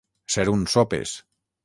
Ser un sopes.